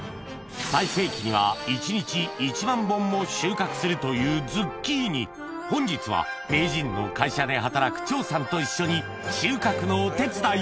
最盛期にはするというズッキーニ本日は名人の会社で働くチョウさんと一緒に収穫のお手伝い